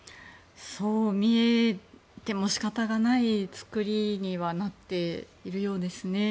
そう見えても仕方がない作りにはなっているようですね。